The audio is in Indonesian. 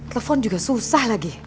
telepon juga susah lagi